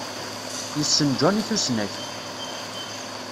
Yessen Jun i tusnakt.